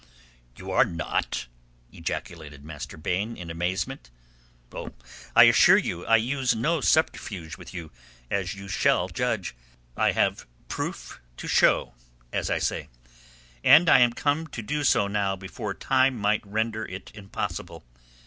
"You are not?" ejaculated Master Baine in amazement. "Oh, I assure you I use no subterfuge with you, as you shall judge. I have proof to show you, as I say; and I am come to do so now before time might render it impossible.